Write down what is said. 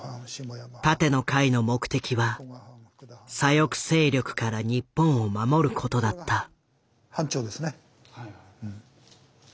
「楯の会」の目的は左翼勢力から日本を守ることだった。